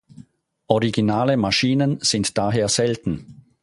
Originale Maschinen sind daher selten.